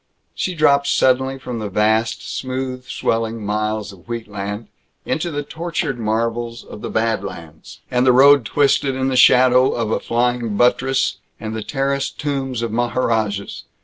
She dropped suddenly from the vast, smooth swelling miles of wheatland into the tortured marvels of the Bad Lands, and the road twisted in the shadow of flying buttresses and the terraced tombs of maharajas.